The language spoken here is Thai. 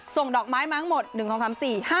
ส่งดอกไม้มากหมด๑๒๓๔๕ช่องค่ะ